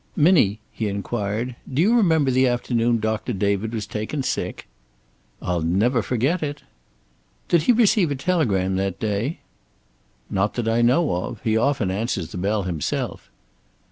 "Minnie," he inquired, "do you remember the afternoon Doctor David was taken sick?" "I'll never forget it." "Did he receive a telegram that day?" "Not that I know of. He often answers the bell himself."